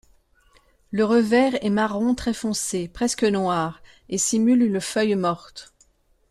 Le revers est marron très foncé presque noir et simule une feuille morte.